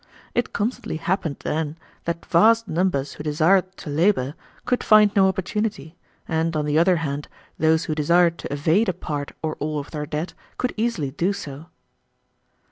It constantly happened then that vast numbers who desired to labor could find no opportunity, and on the other hand, those who desired to evade a part or all of their debt could easily do so."